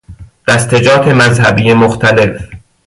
دستجات مذهبی مختلف